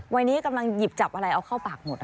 วันนี้กำลังหยิบจับอะไรเอาเข้าปากหมด